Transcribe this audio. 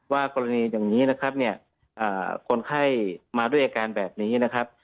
กรณีอย่างนี้นะครับเนี่ยคนไข้มาด้วยอาการแบบนี้นะครับ